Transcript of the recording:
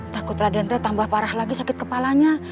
takut radente tambah parah lagi sakit kepalanya